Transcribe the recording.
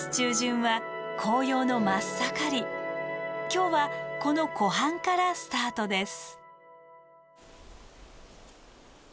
今日はこの湖畔からスタートです。